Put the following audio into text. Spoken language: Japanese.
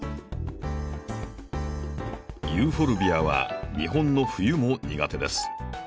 ユーフォルビアは日本の冬も苦手です。